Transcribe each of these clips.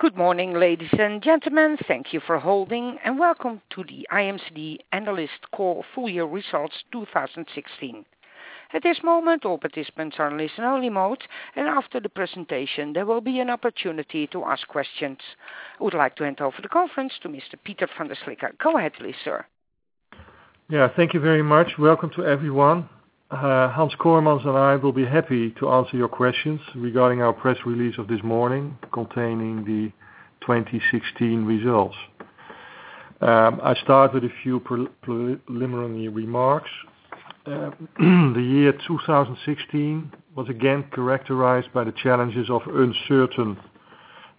Good morning, ladies and gentlemen. Thank you for holding and welcome to the IMCD Analyst Call Full Year Results 2016. At this moment, all participants are in listen-only mode, and after the presentation, there will be an opportunity to ask questions. I would like to hand over the conference to Mr. Piet van der Slikke. Go ahead, please, sir. Thank you very much. Welcome to everyone. Hans Kooijmans and I will be happy to answer your questions regarding our press release of this morning containing the 2016 results. I'll start with a few preliminary remarks. The year 2016 was again characterized by the challenges of uncertain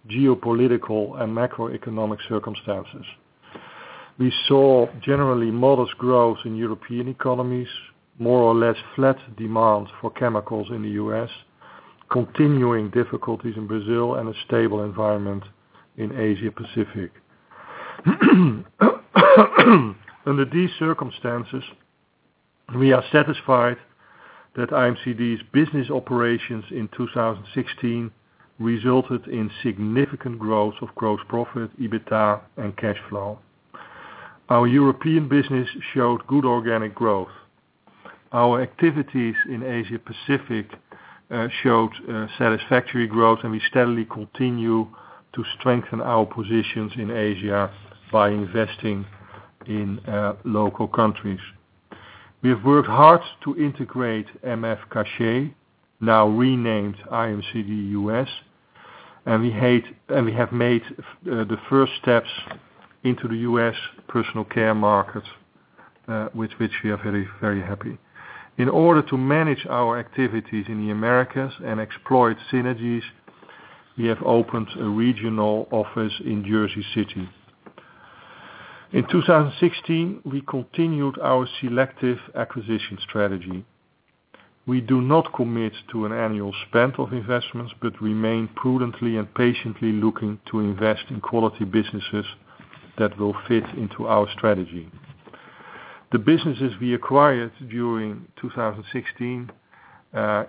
geopolitical and macroeconomic circumstances. We saw generally modest growth in European economies, more or less flat demand for chemicals in the U.S., continuing difficulties in Brazil, and a stable environment in Asia Pacific. Under these circumstances, we are satisfied that IMCD's business operations in 2016 resulted in significant growth of gross profit, EBITDA, and cash flow. Our European business showed good organic growth. Our activities in Asia Pacific showed satisfactory growth, and we steadily continue to strengthen our positions in Asia by investing in local countries. We have worked hard to integrate M.F. Cachat, now renamed IMCD US, and we have made the first steps into the U.S. Personal Care market, with which we are very happy. In order to manage our activities in the Americas and exploit synergies, we have opened a regional office in Jersey City. In 2016, we continued our selective acquisition strategy. We do not commit to an annual spend of investments but remain prudently and patiently looking to invest in quality businesses that will fit into our strategy. The businesses we acquired during 2016,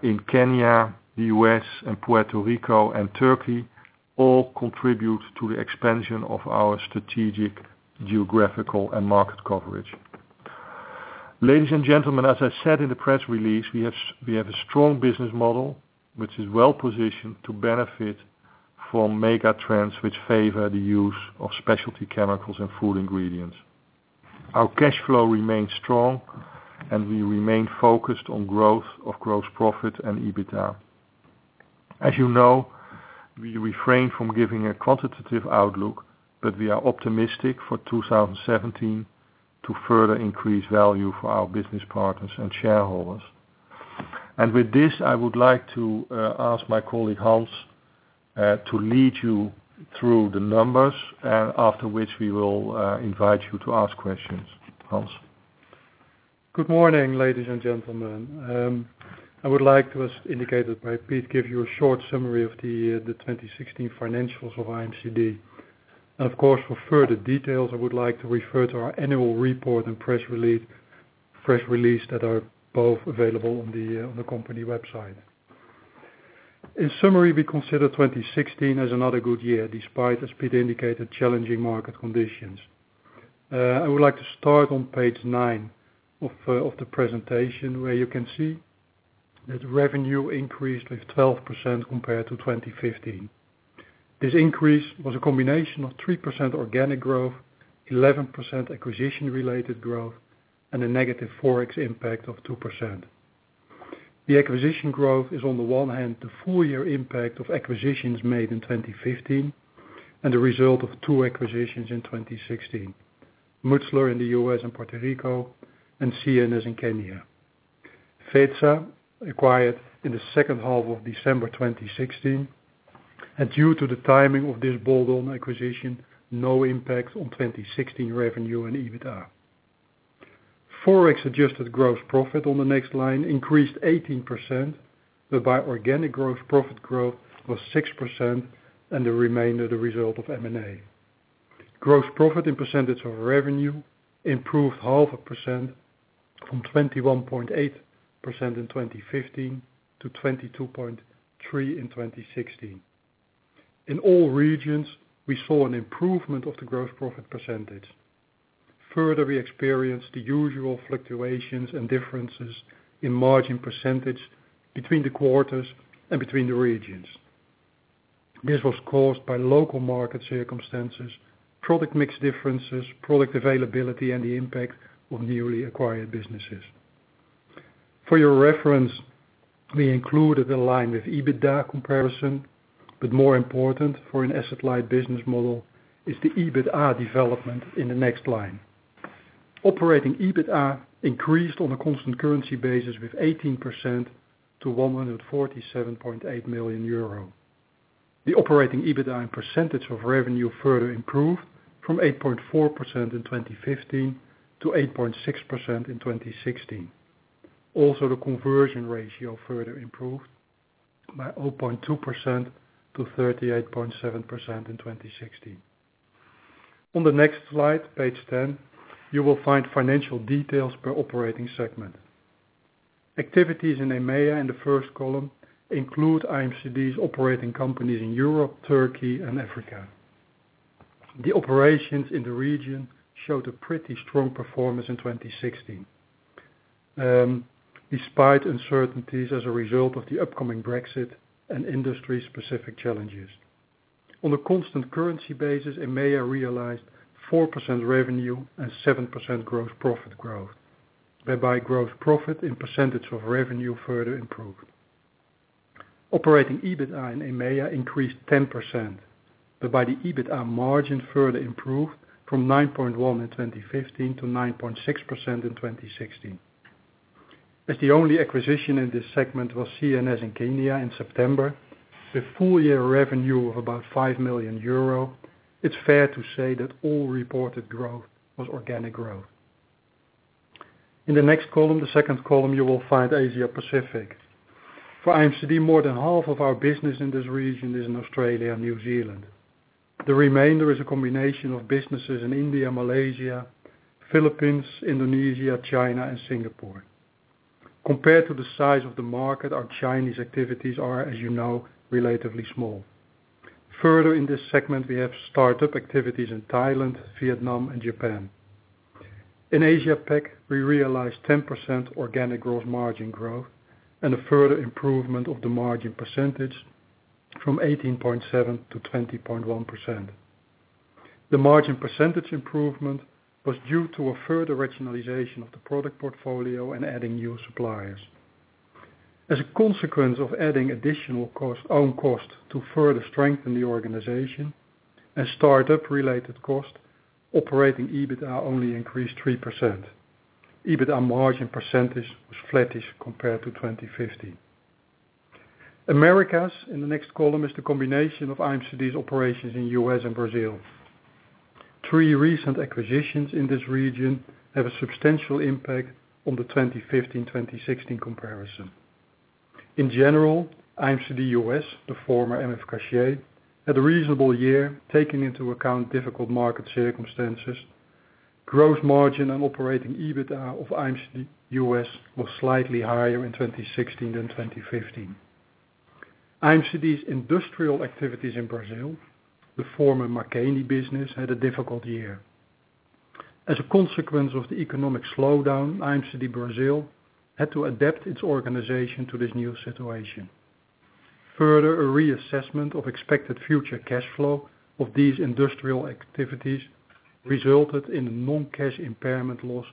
in Kenya, the U.S., and Puerto Rico and Turkey, all contribute to the expansion of our strategic, geographical, and market coverage. Ladies and gentlemen, as I said in the press release, we have a strong business model, which is well-positioned to benefit from mega trends which favor the use of specialty chemicals and food ingredients. Our cash flow remains strong, we remain focused on growth of gross profit and EBITDA. As you know, we refrain from giving a quantitative outlook, but we are optimistic for 2017 to further increase value for our business partners and shareholders. With this, I would like to ask my colleague, Hans, to lead you through the numbers, after which we will invite you to ask questions. Hans. Good morning, ladies and gentlemen. I would like to, as indicated by Piet, give you a short summary of the 2016 financials of IMCD. For further details, I would like to refer to our annual report and press release that are both available on the company website. In summary, we consider 2016 as another good year, despite, as Piet indicated, challenging market conditions. I would like to start on page nine of the presentation, where you can see that revenue increased with 12% compared to 2015. This increase was a combination of 3% organic growth, 11% acquisition-related growth, and a negative ForEx impact of 2%. The acquisition growth is on the one hand the full year impact of acquisitions made in 2015 and the result of two acquisitions in 2016, Mutchler in the U.S. and Puerto Rico and CNS in Kenya. Feza Kimya acquired in the second half of December 2016, and due to the timing of this bolt-on acquisition, no impact on 2016 revenue and EBITDA. ForEx-adjusted gross profit on the next line increased 18%, whereby organic gross profit growth was 6% and the remainder the result of M&A. Gross profit in percentage of revenue improved half a percent from 21.8% in 2015 to 22.3% in 2016. In all regions, we saw an improvement of the gross profit percentage. Further, we experienced the usual fluctuations and differences in margin percentage between the quarters and between the regions. This was caused by local market circumstances, product mix differences, product availability, and the impact of newly acquired businesses. For your reference, we included a line with EBITDA comparison, but more important for an asset-light business model is the EBITDA development in the next line. Operating EBITDA increased on a constant currency basis with 18% to €147.8 million. The operating EBITDA in percentage of revenue further improved from 8.4% in 2015 to 8.6% in 2016. Also, the conversion ratio further improved by 0.2% to 38.7% in 2016. On the next slide, page 10, you will find financial details per operating segment. Activities in EMEA in the first column include IMCD's operating companies in Europe, Turkey, and Africa. The operations in the region showed a pretty strong performance in 2016, despite uncertainties as a result of the upcoming Brexit and industry-specific challenges. On a constant currency basis, EMEA realized 4% revenue and 7% growth profit growth, whereby growth profit and percentage of revenue further improved. Operating EBITDA in EMEA increased 10%, whereby the EBITDA margin further improved from 9.1% in 2015 to 9.6% in 2016. As the only acquisition in this segment was CNS in Kenya in September, with full-year revenue of about €5 million, it's fair to say that all reported growth was organic growth. In the next column, the second column, you will find Asia Pacific. For IMCD, more than half of our business in this region is in Australia and New Zealand. The remainder is a combination of businesses in India, Malaysia, Philippines, Indonesia, China, and Singapore. Further in this segment, we have startup activities in Thailand, Vietnam, and Japan. In Asia Pac, we realized 10% organic growth margin growth and a further improvement of the margin percentage from 18.7% to 20.1%. The margin percentage improvement was due to a further regionalization of the product portfolio and adding new suppliers. As a consequence of adding additional own cost to further strengthen the organization and startup-related cost, operating EBITDA only increased 3%. EBITDA margin percentage was flattish compared to 2015. Americas, in the next column, is the combination of IMCD's operations in U.S. and Brazil. Three recent acquisitions in this region have a substantial impact on the 2015/2016 comparison. In general, IMCD U.S., the former MF Cachat, had a reasonable year, taking into account difficult market circumstances. Growth margin and operating EBITDA of IMCD U.S. was slightly higher in 2016 than 2015. IMCD's industrial activities in Brazil, the former Makeni business, had a difficult year. As a consequence of the economic slowdown, IMCD Brazil had to adapt its organization to this new situation. Further, a reassessment of expected future cash flow of these industrial activities resulted in a non-cash impairment loss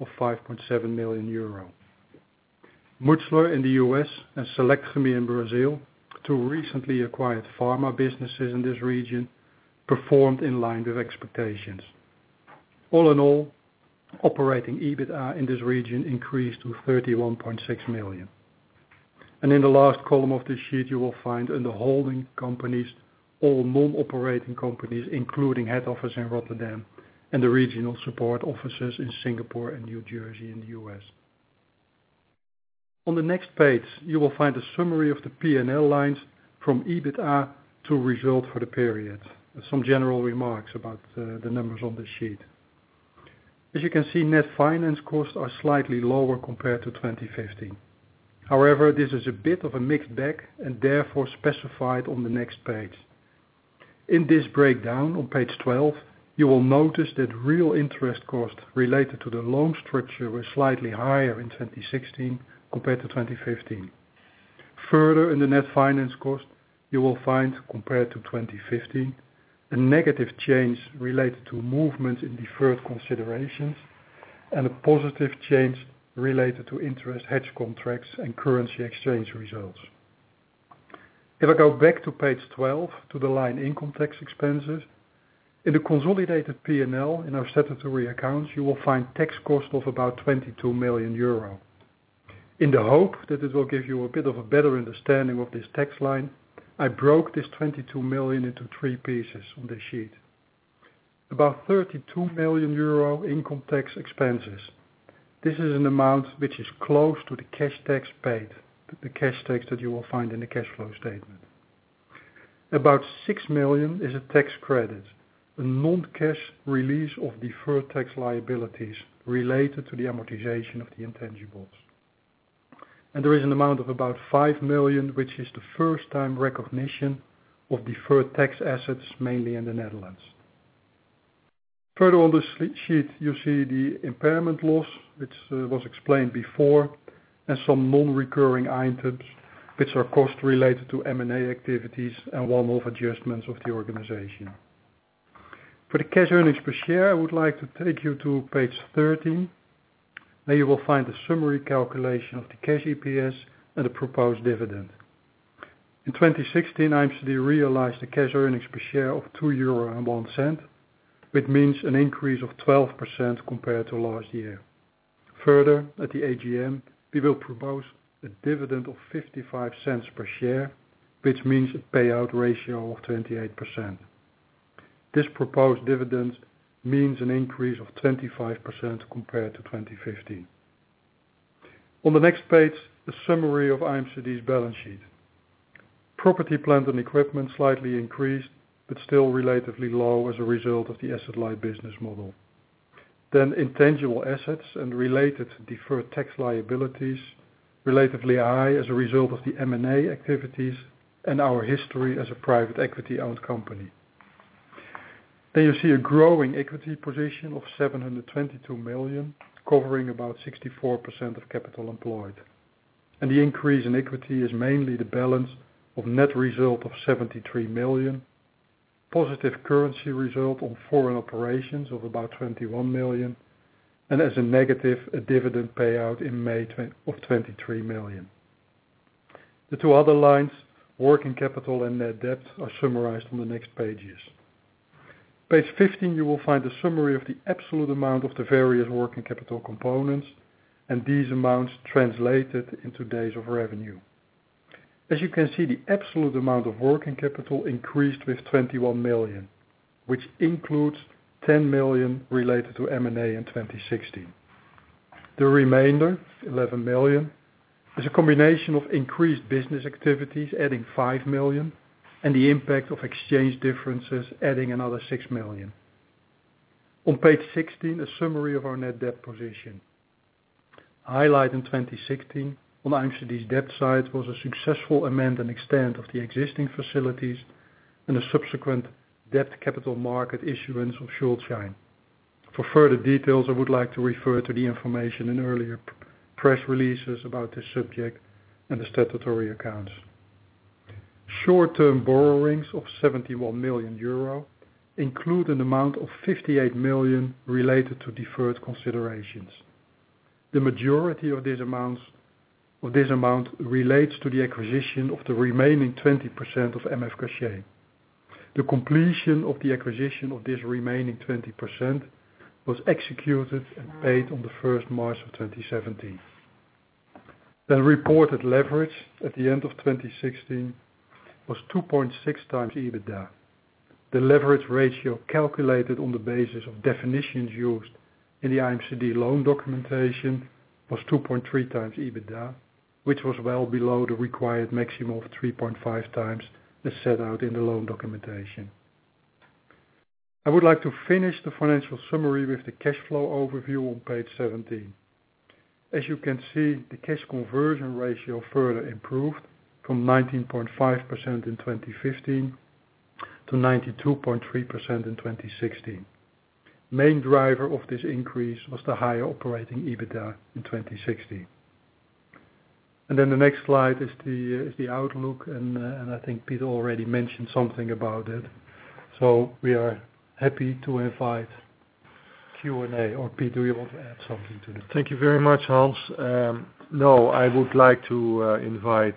of 5.7 million euro. Mutchler in the U.S. and Selectchemie in Brazil, two recently acquired pharma businesses in this region, performed in line with expectations. All in all, operating EBITDA in this region increased to 31.6 million. In the last column of this sheet, you will find in the holding companies all non-operating companies, including head office in Rotterdam and the regional support offices in Singapore and New Jersey in the U.S. On the next page, you will find a summary of the P&L lines from EBITDA to result for the period, and some general remarks about the numbers on this sheet. As you can see, net finance costs are slightly lower compared to 2015. However, this is a bit of a mixed bag and therefore specified on the next page. In this breakdown on page 12, you will notice that real interest costs related to the loan structure were slightly higher in 2016 compared to 2015. Further in the net finance cost, you will find compared to 2015, a negative change related to movements in deferred considerations and a positive change related to interest hedge contracts and currency exchange results. If I go back to page 12 to the line income tax expenses, in the consolidated P&L in our statutory accounts, you will find tax cost of about 22 million euro. In the hope that it will give you a bit of a better understanding of this tax line, I broke this 22 million into three pieces on this sheet. About 32 million euro income tax expenses. This is an amount which is close to the cash tax paid, the cash tax that you will find in the cash flow statement. About 6 million is a tax credit, a non-cash release of deferred tax liabilities related to the amortization of the intangibles. And there is an amount of about 5 million, which is the first-time recognition of deferred tax assets, mainly in the Netherlands. Further on this sheet, you see the impairment loss, which was explained before, and some non-recurring items, which are costs related to M&A activities and one-off adjustments of the organization. For the cash earnings per share, I would like to take you to page 13, where you will find a summary calculation of the cash EPS and the proposed dividend. In 2016, IMCD realized a cash earnings per share of 2.01 euro, which means an increase of 12% compared to last year. Further, at the AGM, we will propose a dividend of 0.55 per share, which means a payout ratio of 28%. This proposed dividend means an increase of 25% compared to 2015. On the next page, a summary of IMCD's balance sheet. Property, plant, and equipment slightly increased, but still relatively low as a result of the asset-light business model. Intangible assets and related deferred tax liabilities, relatively high as a result of the M&A activities and our history as a private equity-owned company. You see a growing equity position of 722 million, covering about 64% of capital employed. The increase in equity is mainly the balance of net result of 73 million, positive currency result on foreign operations of about 21 million, and as a negative, a dividend payout in May of 23 million. The two other lines, working capital and net debt, are summarized on the next pages. Page 15, you will find a summary of the absolute amount of the various working capital components and these amounts translated into days of revenue. As you can see, the absolute amount of working capital increased with 21 million, which includes 10 million related to M&A in 2016. The remainder, 11 million, is a combination of increased business activities adding 5 million and the impact of exchange differences adding another 6 million. On page 16, a summary of our net debt position. Highlight in 2016 on IMCD's debt side was a successful amend and extend of the existing facilities and a subsequent debt capital market issuance of short time. For further details, I would like to refer to the information in earlier press releases about this subject and the statutory accounts. Short-term borrowings of 71 million euro include an amount of 58 million related to deferred considerations. The majority of this amount relates to the acquisition of the remaining 20% of MF Cachat. The completion of the acquisition of this remaining 20% was executed and paid on the 1st March of 2017. The reported leverage at the end of 2016 was 2.6 times EBITDA. The leverage ratio calculated on the basis of definitions used in the IMCD loan documentation was 2.3 times EBITDA, which was well below the required maximum of 3.5 times as set out in the loan documentation. I would like to finish the financial summary with the cash flow overview on page 17. As you can see, the cash conversion ratio further improved from 19.5% in 2015 to 92.3% in 2016. Main driver of this increase was the higher operating EBITDA in 2016. The next slide is the outlook, and I think Piet already mentioned something about it. We are happy to invite Q&A. Piet, you want to add something to that? Thank you very much, Hans. I would like to invite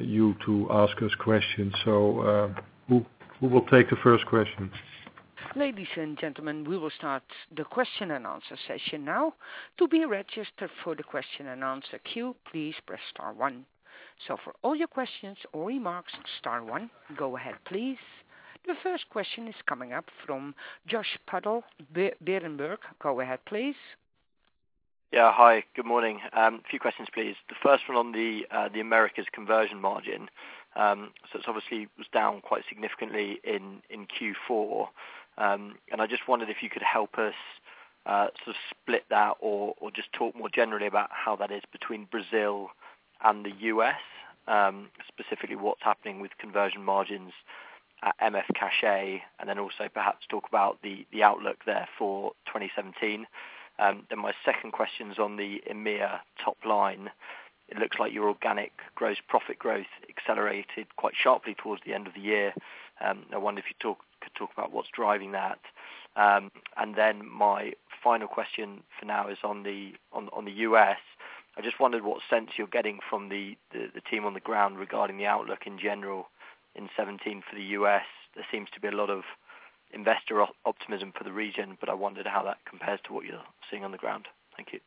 you to ask us questions. Who will take the first question? Ladies and gentlemen, we will start the question and answer session now. To be registered for the question and answer queue, please press star one. For all your questions or remarks, star one. Go ahead, please. The first question is coming up from Joshi Padullaparthi, Berenberg. Go ahead, please. Hi, good morning. Few questions, please. The first one on the Americas conversion margin. It obviously was down quite significantly in Q4. I just wondered if you could help us sort of split that or just talk more generally about how that is between Brazil and the U.S. Specifically, what's happening with conversion margins at M.F. Cachat, and then also perhaps talk about the outlook there for 2017. My second question is on the EMEA top line. It looks like your organic gross profit growth accelerated quite sharply towards the end of the year. I wonder if you could talk about what's driving that. My final question for now is on the U.S. I just wondered what sense you're getting from the team on the ground regarding the outlook in general in 2017 for the U.S. There seems to be a lot of investor optimism for the region, I wondered how that compares to what you're seeing on the ground. Thank you.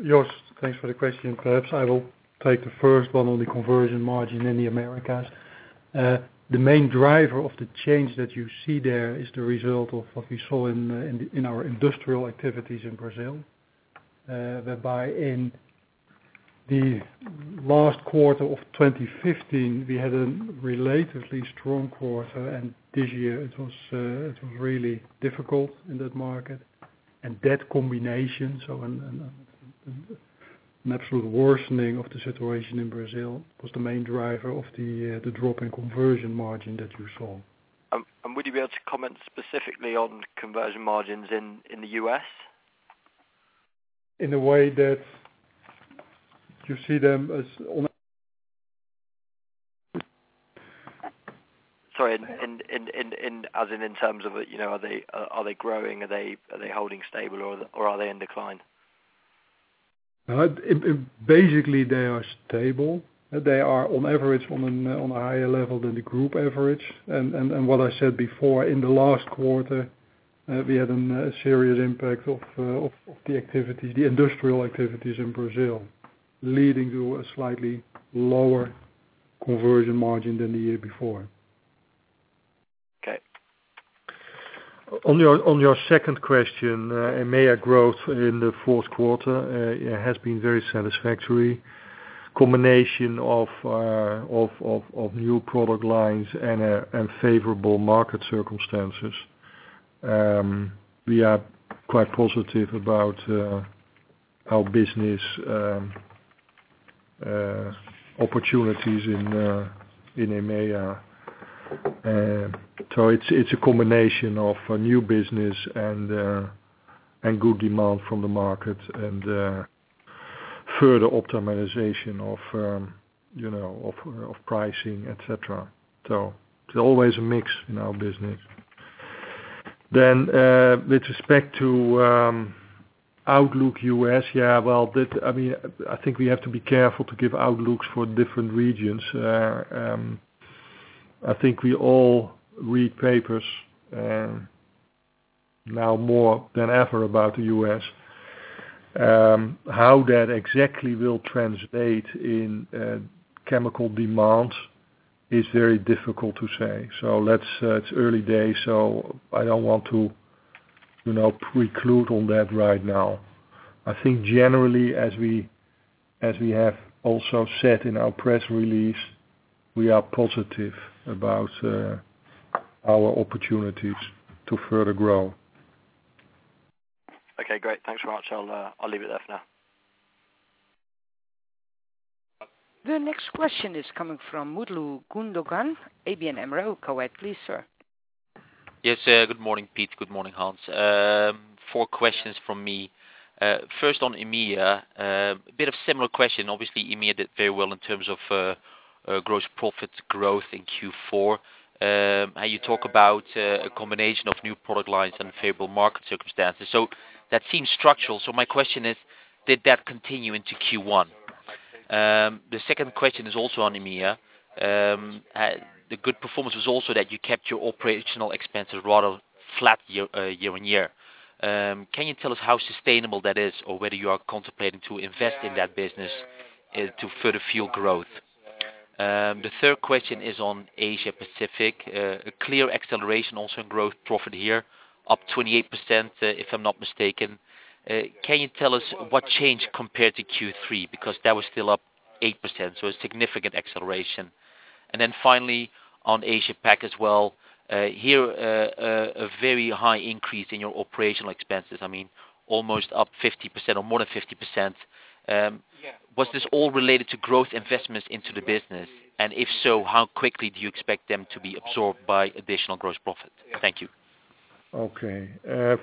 Joshi, thanks for the question. Perhaps I will take the first one on the conversion margin in the Americas. The main driver of the change that you see there is the result of what we saw in our industrial activities in Brazil. Whereby in the last quarter of 2015, we had a relatively strong quarter, and this year it was really difficult in that market. That combination, so an absolute worsening of the situation in Brazil, was the main driver of the drop in conversion margin that you saw. Would you be able to comment specifically on conversion margins in the U.S.? In the way that you see them as. Sorry, as in terms of are they growing, are they holding stable, or are they in decline? They are stable. They are on average on a higher level than the group average. What I said before, in the last quarter, we had a serious impact of the activities, the industrial activities in Brazil, leading to a slightly lower conversion margin than the year before. Okay. On your second question, EMEA growth in the fourth quarter has been very satisfactory. Combination of new product lines and favorable market circumstances. We are quite positive about our business opportunities in EMEA. It's a combination of new business and good demand from the market, and further optimization of pricing, et cetera. It's always a mix in our business. With respect to outlook U.S. I think we have to be careful to give outlooks for different regions. I think we all read papers, now more than ever, about the U.S. How that exactly will translate in chemical demands is very difficult to say. It's early days, I don't want to preclude on that right now. I think generally, as we have also said in our press release, we are positive about our opportunities to further grow. Okay, great. Thanks very much. I'll leave it there for now. The next question is coming from Mutlu Gundogan, ABN AMRO, Quirijn. Please, sir. Yes. Good morning, Piet. Good morning, Hans. Four questions from me. First on EMEA, a bit of similar question. Obviously, EMEA did very well in terms of gross profit growth in Q4. How you talk about a combination of new product lines and favorable market circumstances. That seems structural. My question is, did that continue into Q1? The second question is also on EMEA. The good performance was also that you kept your operational expenses rather flat year-on-year. Can you tell us how sustainable that is or whether you are contemplating to invest in that business to further fuel growth? The third question is on Asia Pacific. A clear acceleration also in gross profit here, up 28%, if I'm not mistaken. Can you tell what changed compared to Q3? That was still up 8%, so a significant acceleration. Finally, on Asia Pac as well. Here, a very high increase in your operational expenses. Almost up 50% or more than 50%. Was this all related to growth investments into the business? If so, how quickly do you expect them to be absorbed by additional gross profit? Thank you. Okay.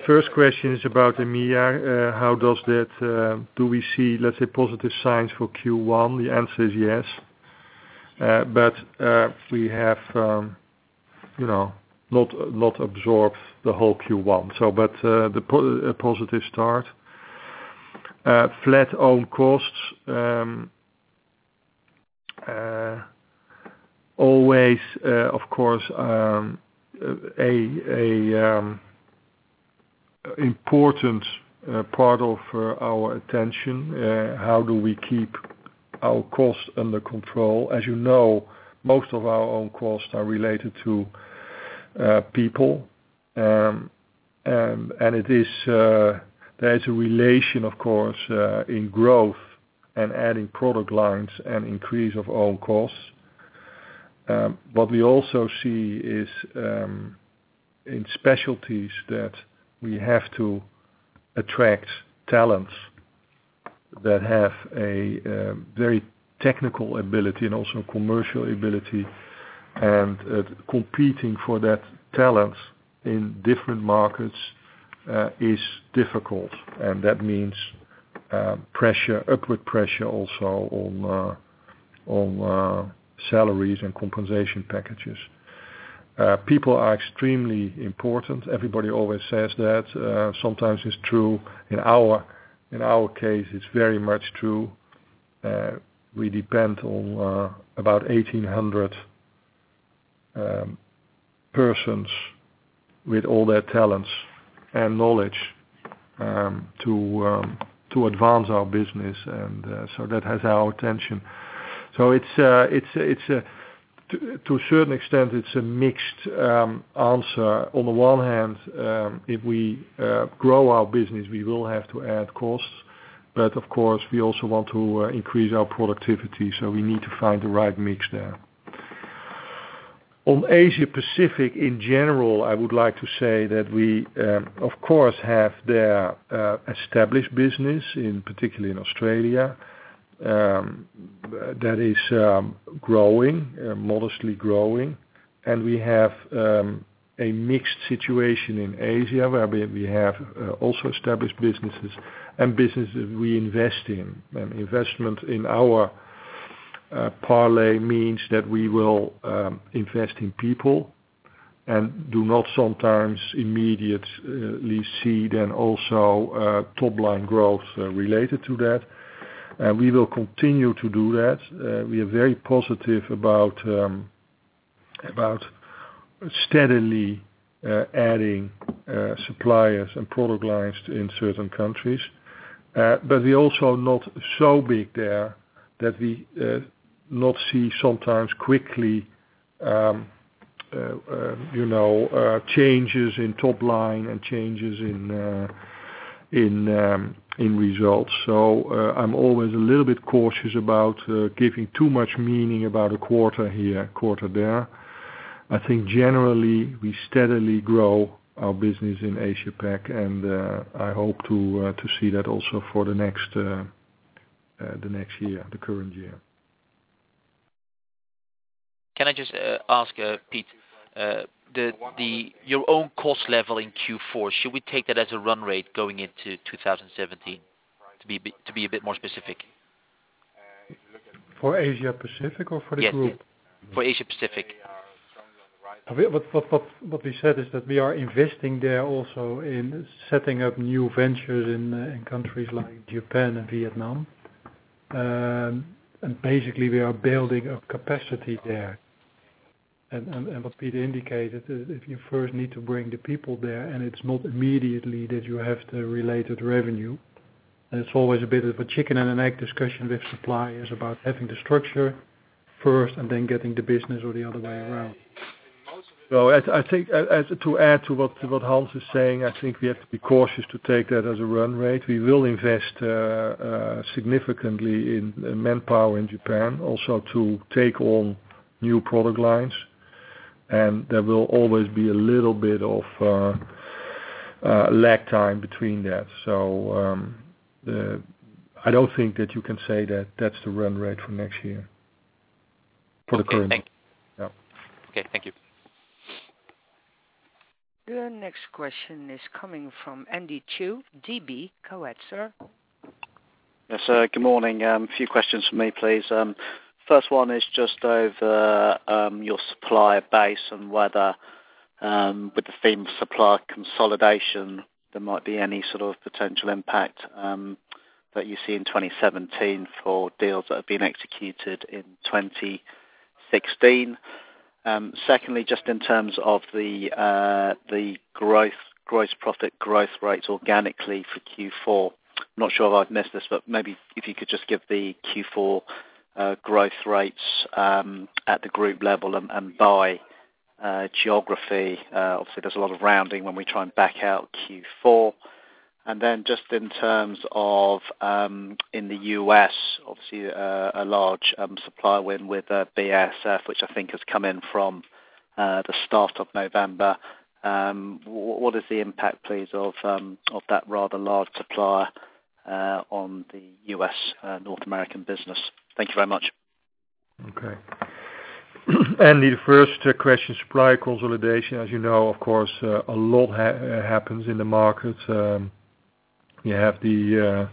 First question is about EMEA. How does that, do we see, let's say, positive signs for Q1? The answer is yes. We have not absorbed the whole Q1. A positive start. Flat own costs. Always, of course, a important part of our attention. How do we keep our costs under control? As you know, most of our own costs are related to people. There's a relation, of course, in growth and adding product lines and increase of own costs. What we also see is, in specialties, that we have to attract talents that have a very technical ability and also commercial ability, and competing for that talent in different markets is difficult. That means upward pressure also on salaries and compensation packages. People are extremely important. Everybody always says that. Sometimes it's true. In our case, it's very much true. We depend on about 1,800 persons with all their talents and knowledge to advance our business. That has our attention. To a certain extent, it's a mixed answer. On the one hand, if we grow our business, we will have to add costs. Of course, we also want to increase our productivity, so we need to find the right mix there. On Asia Pacific in general, I would like to say that we, of course, have their established business, particularly in Australia, that is modestly growing. We have a mixed situation in Asia, where we have also established businesses and businesses we invest in. Investment in our parlay means that we will invest in people and do not sometimes immediately see then also top-line growth related to that. We will continue to do that. We are very positive about steadily adding suppliers and product lines in certain countries. We are also not so big there that we do not see sometimes quickly changes in top line and changes in results. I am always a little bit cautious about giving too much meaning about a quarter here, a quarter there. I think generally we steadily grow our business in Asia-Pac, and I hope to see that also for the next year, the current year. Can I just ask, Piet, your own cost level in Q4, should we take that as a run rate going into 2017, to be a bit more specific? For Asia-Pacific or for the group? Yes. For Asia-Pacific. What we said is that we are investing there also in setting up new ventures in countries like Japan and Vietnam. Basically, we are building up capacity there. What Piet indicated, if you first need to bring the people there, and it is not immediately that you have the related revenue, and it is always a bit of a chicken and an egg discussion with suppliers about having the structure first and then getting the business or the other way around. To add to what Hans is saying, I think we have to be cautious to take that as a run rate. We will invest significantly in manpower in Japan, also to take on new product lines, and there will always be a little bit of lag time between that. I don't think that you can say that that is the run rate for next year. For the current. Okay. Thank you. Yeah. Okay. Thank you. The next question is coming from Andy Chu, DB, Cowet, sir. Yes, sir. Good morning. A few questions from me, please. First one is just over your supplier base and whether, with the theme supplier consolidation, there might be any sort of potential impact, that you see in 2017 for deals that have been executed in 2016. Secondly, just in terms of the gross profit growth rates organically for Q4. I'm not sure if I've missed this, but maybe if you could just give the Q4 growth rates at the group level and by geography. Obviously, there's a lot of rounding when we try and back out Q4. Just in terms of in the U.S., obviously, a large supplier win with BASF, which I think has come in from the start of November. What is the impact, please, of that rather large supplier on the U.S. North American business? Thank you very much. Okay. Andy, the first question, supplier consolidation. As you know, of course, a lot happens in the market. You have the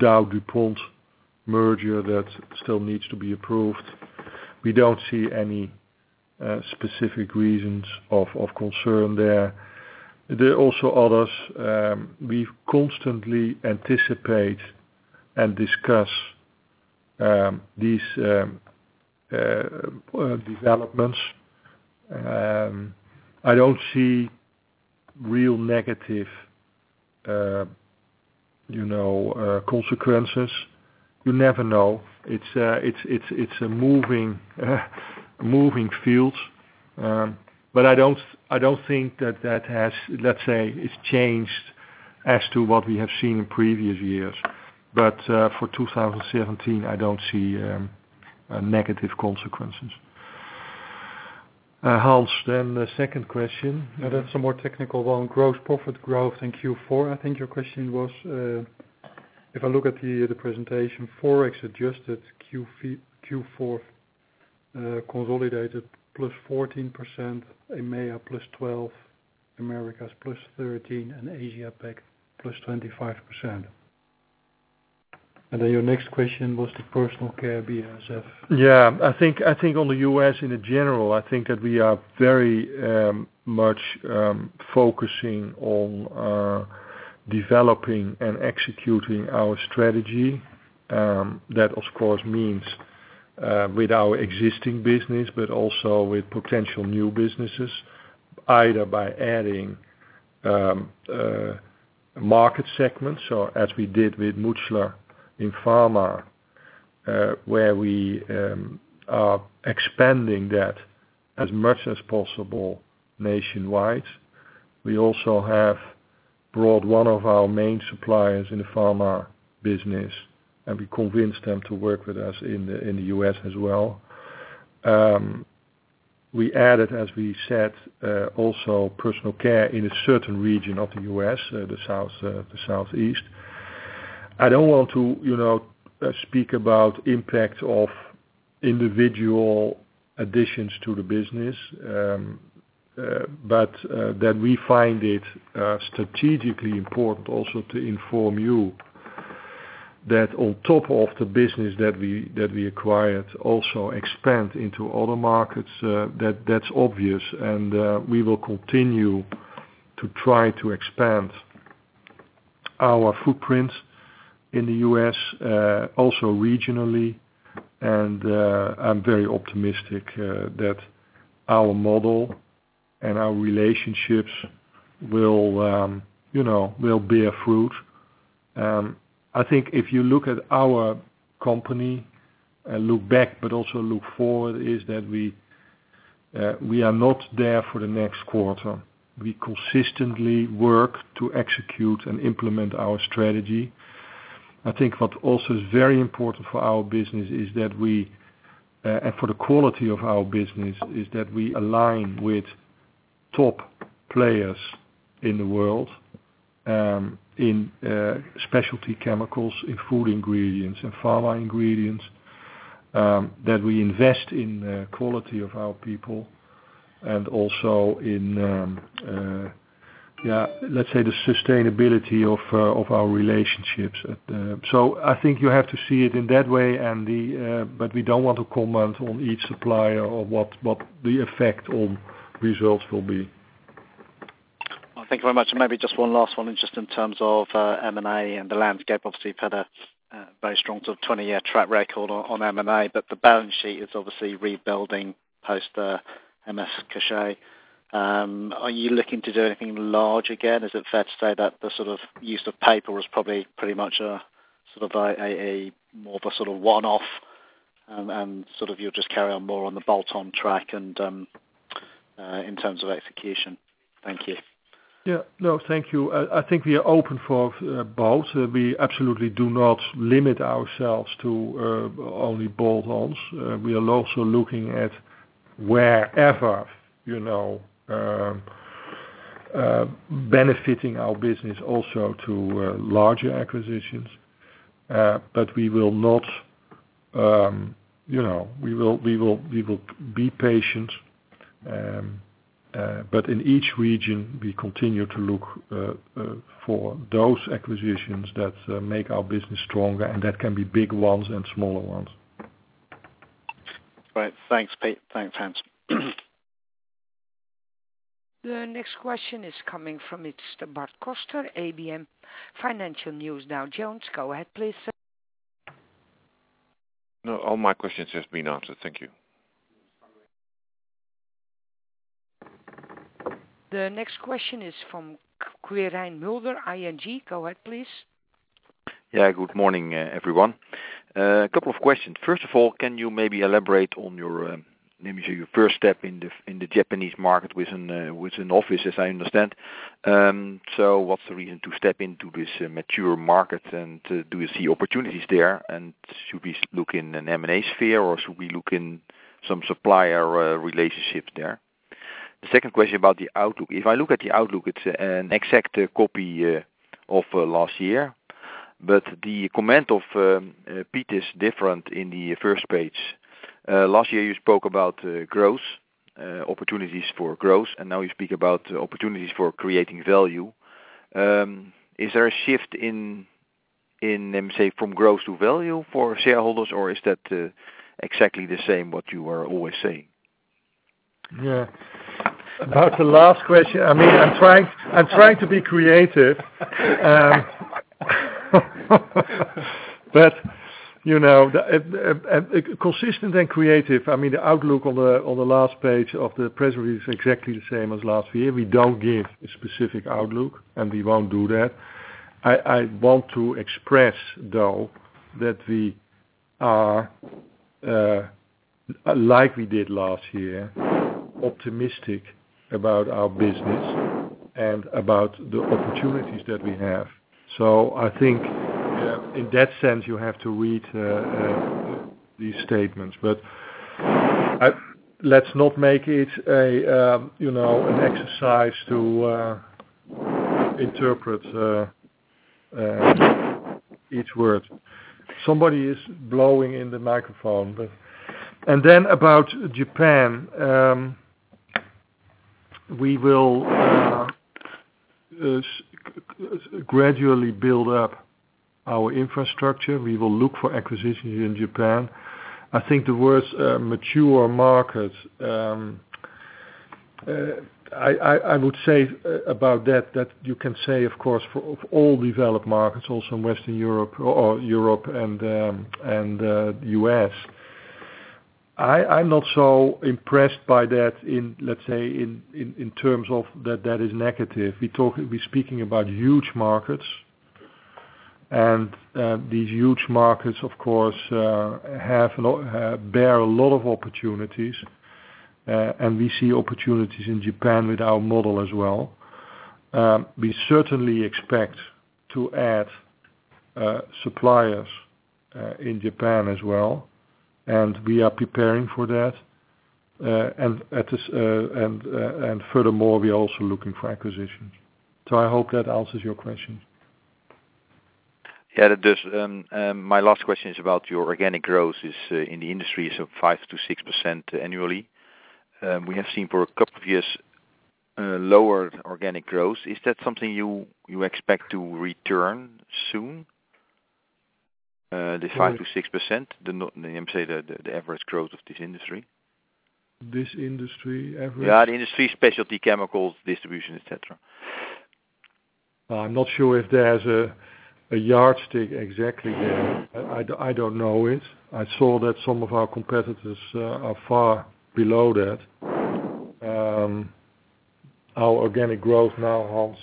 DowDuPont merger that still needs to be approved. We don't see any specific reasons of concern there. There are also others. We constantly anticipate and discuss these developments. I don't see real negative consequences. You never know. It's a moving field. I don't think that has, let's say, it's changed as to what we have seen in previous years. For 2017, I don't see negative consequences. Hans, the second question. That's a more technical one. Gross profit growth in Q4, I think your question was. If I look at the presentation, ForEx-adjusted Q4 consolidated, +14%, EMEA +12%, Americas +13%, Asia-Pac +25%. Your next question was the Personal Care BASF. Yeah. I think on the U.S. in general, I think that we are very much focusing on developing and executing our strategy. That of course means with our existing business, but also with potential new businesses, either by adding market segments or as we did with Mutchler in pharma, where we are expanding that as much as possible nationwide. We also have brought one of our main suppliers in the pharma business, and we convinced them to work with us in the U.S. as well. We added, as we said, also Personal Care in a certain region of the U.S., the Southeast. I don't want to speak about impact of individual additions to the business, but that we find it strategically important also to inform you that on top of the business that we acquired, also expand into other markets, that's obvious. We will continue to try to expand our footprint in the U.S., also regionally. I'm very optimistic that our model Our relationships will bear fruit. If you look at our company and look back, also look forward, is that we are not there for the next quarter. We consistently work to execute and implement our strategy. What also is very important for our business and for the quality of our business is that we align with top players in the world, in specialty chemicals, in food ingredients and pharma ingredients, that we invest in the quality of our people and also in, let's say, the sustainability of our relationships. I think you have to see it in that way, but we don't want to comment on each supplier or what the effect on results will be. Thank you very much. Maybe just one last one. Just in terms of M&A and the landscape, obviously, you've had a very strong sort of 20-year track record on M&A, but the balance sheet is obviously rebuilding post the MF Cachat. Are you looking to do anything large again? Is it fair to say that the use of paper was probably pretty much more of a one-off, and you'll just carry on more on the bolt-on track and in terms of execution? Thank you. Yeah. No, thank you. I think we are open for both. We absolutely do not limit ourselves to only bolt-ons. We are also looking at wherever benefiting our business also to larger acquisitions. We will be patient. In each region, we continue to look for those acquisitions that make our business stronger, and that can be big ones and smaller ones. Right. Thanks, Hans. The next question is coming from, it's Bart Koster, ABM Financial News, Dow Jones. Go ahead, please, sir. No, all my questions have been answered. Thank you. The next question is from Quirijn Mulder, ING. Go ahead, please. Good morning, everyone. A couple of questions. First of all, can you maybe elaborate on your, let me say, your first step in the Japanese market with an office, as I understand. What's the reason to step into this mature market, and do you see opportunities there? Should we look in an M&A sphere, or should we look in some supplier relationships there? The second question about the outlook. If I look at the outlook, it's an exact copy of last year. The comment of Piet is different in the first page. Last year, you spoke about growth, opportunities for growth, and now you speak about opportunities for creating value. Is there a shift in, let me say, from growth to value for shareholders, or is that exactly the same what you were always saying? About the last question, I'm trying to be creative. Consistent and creative. The outlook on the last page of the press release is exactly the same as last year. We don't give a specific outlook, and we won't do that. I want to express, though, that we are, like we did last year, optimistic about our business and about the opportunities that we have. I think in that sense, you have to read these statements. Let's not make it an exercise to interpret each word. Somebody is blowing in the microphone. Then about Japan. We will gradually build up our infrastructure. We will look for acquisitions in Japan. I think the words mature markets, I would say about that you can say, of course, of all developed markets, also in Western Europe or Europe and the U.S. I'm not so impressed by that in terms of that is negative. We're speaking about huge markets, and these huge markets, of course, bear a lot of opportunities, and we see opportunities in Japan with our model as well. We certainly expect to add suppliers in Japan as well, and we are preparing for that. Furthermore, we are also looking for acquisitions. I hope that answers your question. It does. My last question is about your organic growth is in the industry, 5%-6% annually. We have seen for a couple of years lower organic growth. Is that something you expect to return soon? This 5%-6%, let me say the average growth of this industry. This industry average? Yeah, the industry, specialty chemicals, distribution, et cetera. I'm not sure if there's a yardstick exactly there. I don't know it. I saw that some of our competitors are far below that. Our organic growth now, Hans,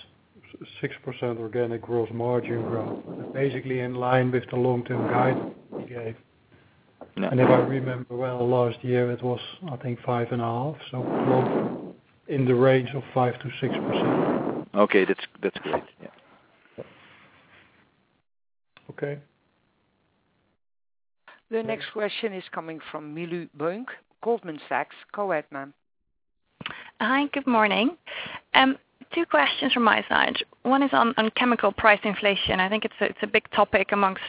6% organic growth, margin growth is basically in line with the long-term guidance we gave. Yeah. If I remember well, last year it was, I think, 5.5%, so close in the range of 5%-6%. Okay. That's great. Yeah. Okay. The next question is coming from Milou Buunk, Goldman Sachs, co-head, ma'am. Hi, good morning. Two questions from my side. One is on chemical price inflation. I think it's a big topic amongst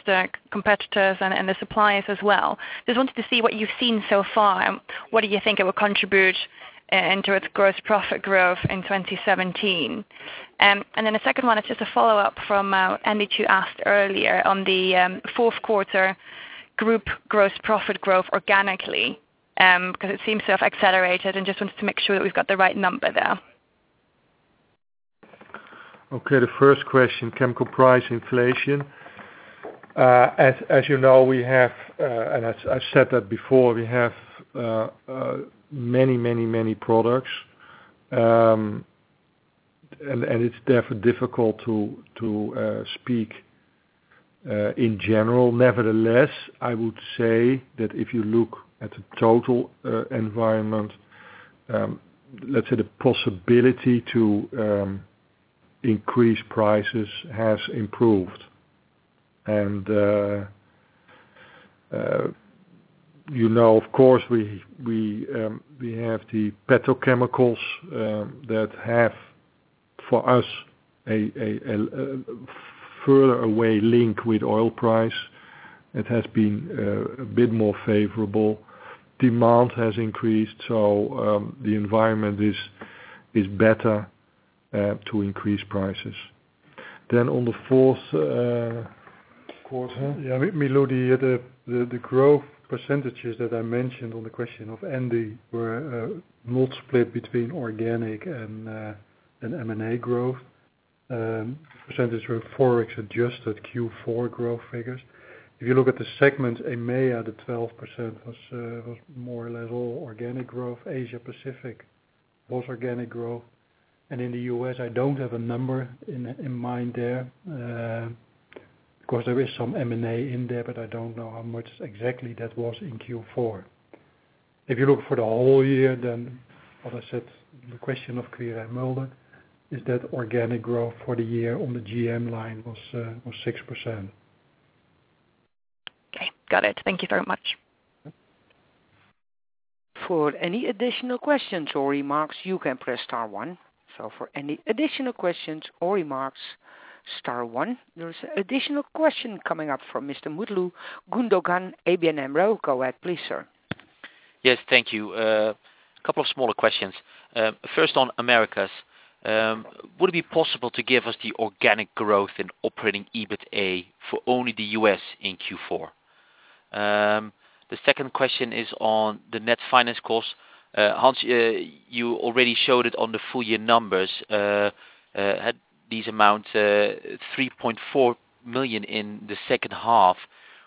competitors and the suppliers as well. Just wanted to see what you've seen so far. What do you think it will contribute into its gross profit growth in 2017? The second one is just a follow-up from Andy, who asked earlier on the fourth quarter group gross profit growth organically, because it seems to have accelerated and just wanted to make sure that we've got the right number there. Okay. The first question, chemical price inflation. As you know, I've said that before, we have many products, and it's difficult to speak in general. Nevertheless, I would say that if you look at the total environment, let's say the possibility to increase prices has improved. Of course, we have the petrochemicals that have, for us, a further away link with oil price. It has been a bit more favorable. Demand has increased, so the environment is better to increase prices. On the fourth quarter. Yeah. Milou, the growth percentages that I mentioned on the question of Andy were not split between organic and M&A growth. Percentages were ForEx-adjusted Q4 growth figures. If you look at the segments, in EMEA, the 12% was more or less all organic growth. Asia-Pacific, was organic growth. And in the U.S., I don't have a number in mind there. Of course, there is some M&A in there, but I don't know how much exactly that was in Q4. If you look for the whole year, what I said, the question of Quirijn Mulder, is that organic growth for the year on the GM line was 6%. Okay. Got it. Thank you very much. For any additional questions or remarks, you can press star one. For any additional questions or remarks, star one. There is an additional question coming up from Mr. Mutlu Gundogan, ABN AMRO. Go ahead, please, sir. Yes. Thank you. A couple of smaller questions. First, on Americas. Would it be possible to give us the organic growth in operating EBITA for only the U.S. in Q4? The second question is on the net finance cost. Hans, you already showed it on the full year numbers. These amounts, 3.4 million in the second half,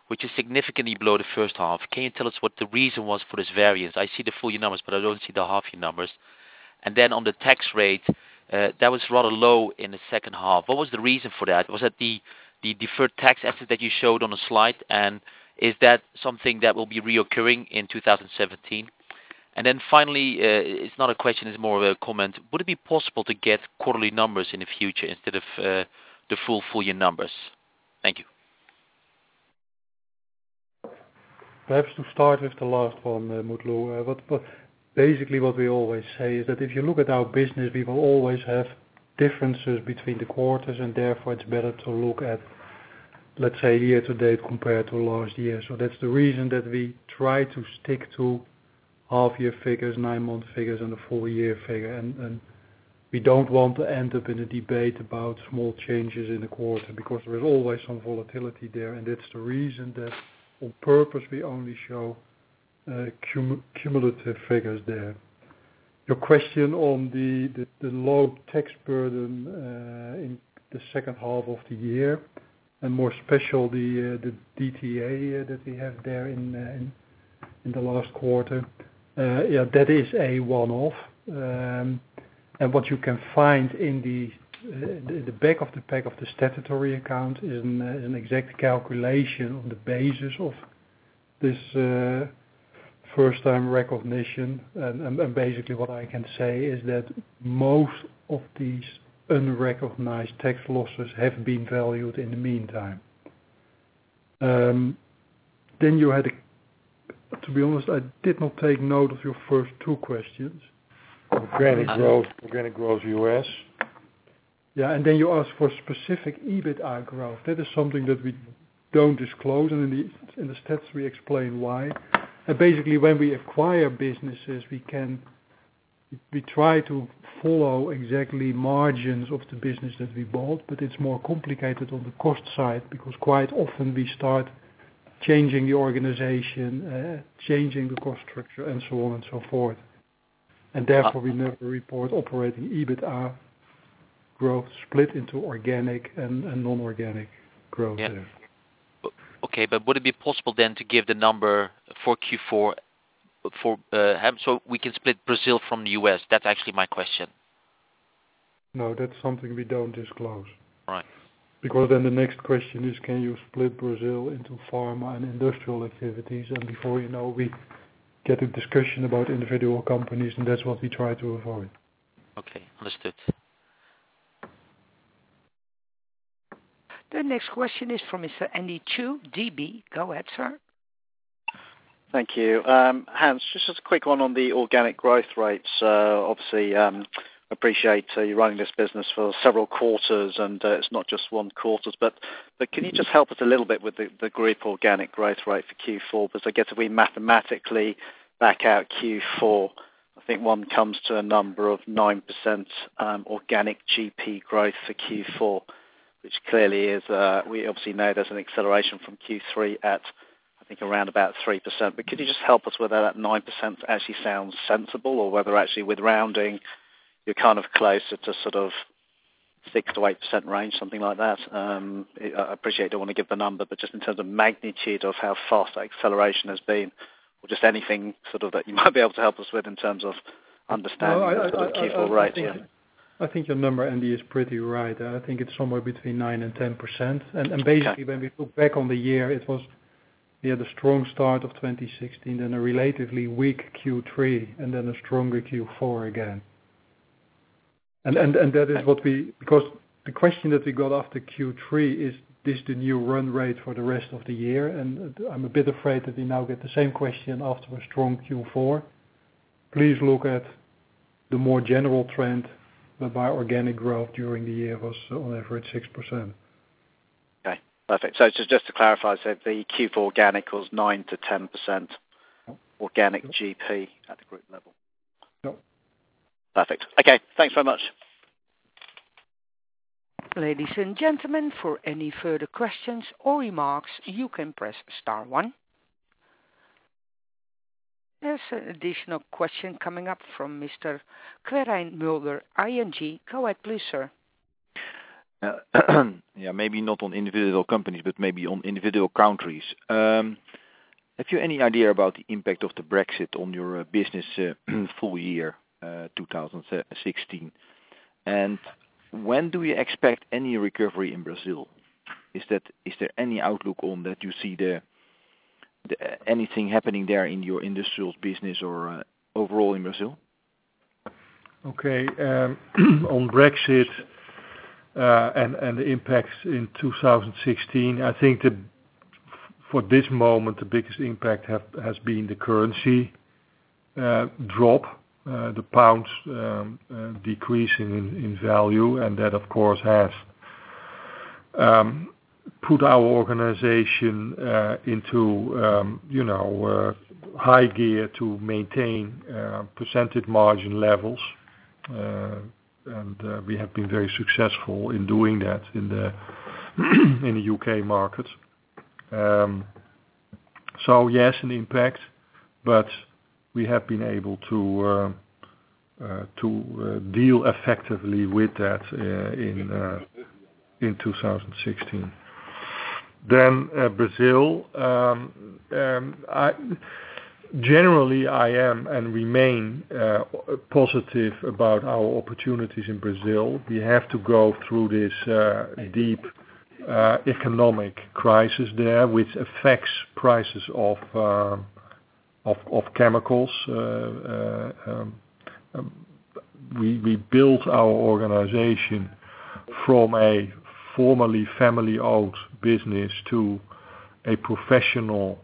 which is significantly below the first half. Can you tell us what the reason was for this variance? I see the full year numbers, but I don't see the half year numbers. On the tax rate, that was rather low in the second half. What was the reason for that? Was that the deferred tax asset that you showed on a slide? Is that something that will be reoccurring in 2017? Finally, it's not a question, it's more of a comment. Would it be possible to get quarterly numbers in the future instead of the full year numbers? Thank you. Perhaps to start with the last one, Mutlu. Basically, what we always say is that if you look at our business, we will always have differences between the quarters, and therefore, it's better to look at, let's say, year to date compared to last year. That's the reason that we try to stick to half year figures, nine-month figures, and the full year figure. We don't want to end up in a debate about small changes in the quarter because there is always some volatility there, and that's the reason that on purpose, we only show cumulative figures there. Your question on the low tax burden in the second half of the year, and more special, the DTA that we have there in the last quarter. Yeah, that is a one-off. What you can find in the back of the statutory account is an exact calculation on the basis of this first-time recognition. Basically, what I can say is that most of these unrecognized tax losses have been valued in the meantime. To be honest, I did not take note of your first two questions. Organic growth U.S. Yeah. You ask for specific EBITA growth. That is something that we don't disclose, and in the stats we explain why. Basically, when we acquire businesses, we try to follow exactly margins of the business that we bought, but it's more complicated on the cost side because quite often we start changing the organization, changing the cost structure, and so on and so forth. Therefore we never report operating EBITDA growth split into organic and non-organic growth there. Would it be possible then to give the number for Q4 so we can split Brazil from the U.S.? That's actually my question. No, that's something we don't disclose. Right. The next question is, can you split Brazil into pharma and industrial activities? Before you know, we get a discussion about individual companies, and that's what we try to avoid. Okay. Understood. The next question is from Mr. Andy Chu, DB. Go ahead, sir. Thank you. Hans, just a quick one on the organic growth rates. Obviously, appreciate you running this business for several quarters, and it's not just one quarter. Can you just help us a little bit with the group organic growth rate for Q4? I guess if we mathematically back out Q4, I think one comes to a number of 9% organic GP growth for Q4, which clearly is, we obviously know there's an acceleration from Q3 at, I think around about 3%. Could you just help us whether that 9% actually sounds sensible or whether actually with rounding, you're closer to 6%-8% range, something like that? I appreciate you don't want to give the number, but just in terms of magnitude of how fast that acceleration has been, or just anything that you might be able to help us with in terms of understanding the Q4 rate. I think your number, Andy, is pretty right. I think it's somewhere between 9% and 10%. Okay. Basically, when we look back on the year, we had a strong start of 2016, then a relatively weak Q3, and then a stronger Q4 again. The question that we got after Q3 is this the new run rate for the rest of the year? I'm a bit afraid that we now get the same question after a strong Q4. Please look at the more general trend that our organic growth during the year was on average 6%. Okay, perfect. Just to clarify, so the Q4 organic was 9%-10% organic GP at the group level. Yeah. Perfect. Okay. Thanks very much. Ladies and gentlemen, for any further questions or remarks, you can press star one. There is an additional question coming up from Mr. Quirijn Mulder, ING. Go ahead, please, sir. Maybe not on individual companies, but maybe on individual countries. Have you any idea about the impact of Brexit on your business full year 2016? When do you expect any recovery in Brazil? Is there any outlook on that you see there? Anything happening there in your industrial business or overall in Brazil? On Brexit, the impacts in 2016, I think for this moment, the biggest impact has been the currency drop, the pounds decreasing in value. That, of course, has put our organization into high gear to maintain % margin levels. We have been very successful in doing that in the U.K. market. Yes, an impact, but we have been able to deal effectively with that in 2016. Brazil. Generally, I am and remain positive about our opportunities in Brazil. We have to go through this deep economic crisis there, which affects prices of chemicals. We built our organization from a formerly family-owned business to a professional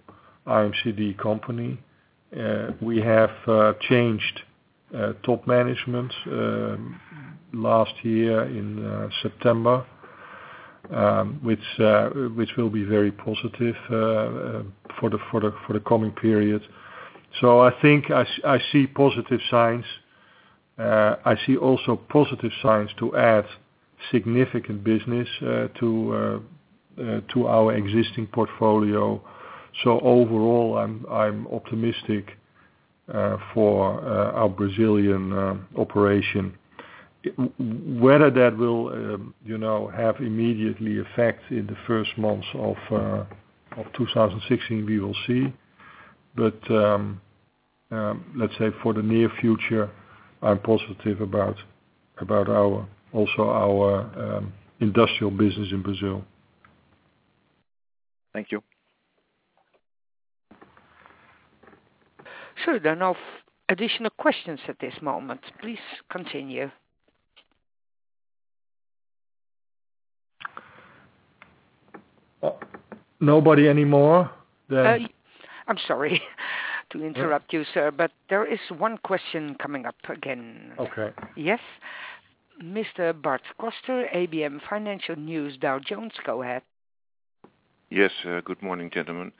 IMCD company. We have changed top management last year in September, which will be very positive for the coming period. I think I see positive signs. I see also positive signs to add significant business to our existing portfolio. Overall, I'm optimistic for our Brazilian operation. Whether that will have immediately effect in the first months of 2016, we will see. Let's say for the near future, I'm positive about also our industrial business in Brazil. Thank you. There are no additional questions at this moment. Please continue. Nobody anymore? I'm sorry to interrupt you, sir, but there is one question coming up again. Okay. Yes. Mr. Bart Koster, ABM Financial News, Dow Jones. Go ahead. Yes. Good morning, gentlemen.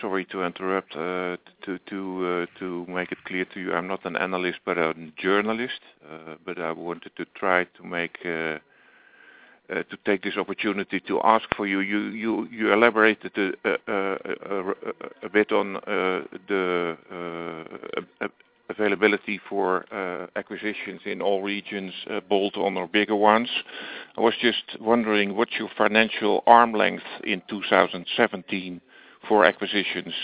Sorry to interrupt. To make it clear to you, I'm not an analyst, but a journalist. I wanted to take this opportunity to ask for you elaborated a bit on the availability for acquisitions in all regions, bolt-on or bigger ones. I was just wondering, what's your financial arm length in 2017 for acquisitions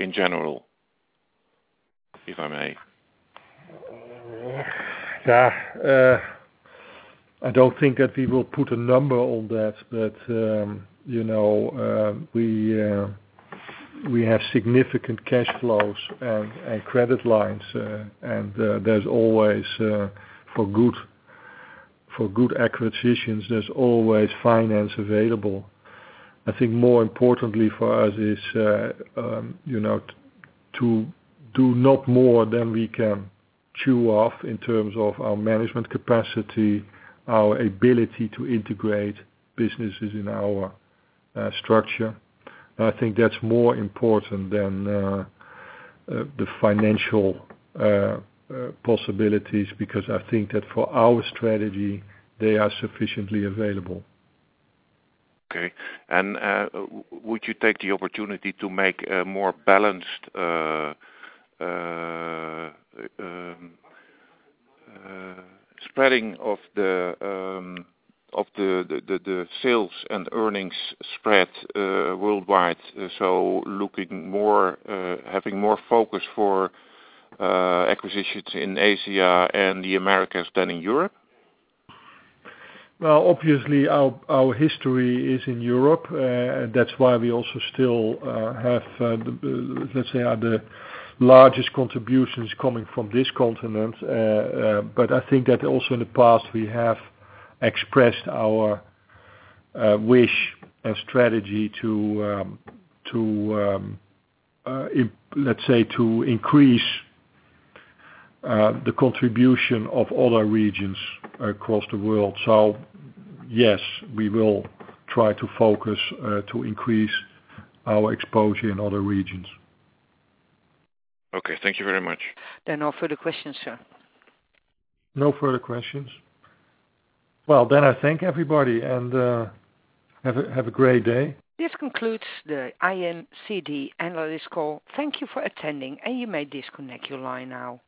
in general? If I may. I don't think that we will put a number on that. We have significant cash flows and credit lines, and there's always, for good acquisitions, there's always finance available. I think more importantly for us is to do not more than we can chew off in terms of our management capacity, our ability to integrate businesses in our structure. I think that's more important than the financial possibilities, because I think that for our strategy, they are sufficiently available. Okay. Would you take the opportunity to make a more balanced spreading of the sales and earnings spread worldwide? Having more focus for acquisitions in Asia and the Americas than in Europe? Well, obviously, our history is in Europe. That's why we also still have, let's say, the largest contributions coming from this continent. I think that also in the past, we have expressed our wish and strategy, let's say, to increase the contribution of other regions across the world. Yes, we will try to focus, to increase our exposure in other regions. Okay. Thank you very much. No further questions, sir. No further questions? Well, then I thank everybody, and have a great day. This concludes the IMCD analyst call. Thank you for attending, and you may disconnect your line now.